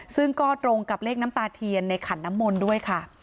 ซึ่งก็ตรงกับเลขน้ำตาเทียนในขันน้ำมนต์ด้วยค่ะ